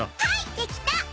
はいできた！